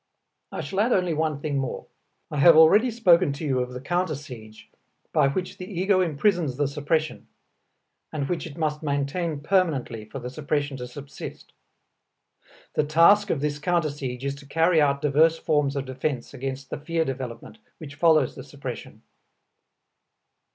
I shall add only one thing more. I have already spoken to you of the counter siege by which the ego imprisons the suppression and which it must maintain permanently for the suppression to subsist. The task of this counter siege is to carry out diverse forms of defense against the fear development which follows the suppression.